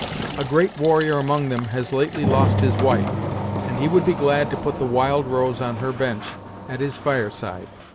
A great warrior among them has lately lost his wife, and he would be glad to put the Wild Rose on her bench at his fireside.